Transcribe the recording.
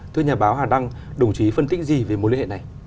thưa nhà báo hà đăng đồng chí phân tích gì về mối liên hệ này